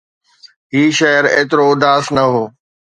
هي شهر ايترو اداس نه هو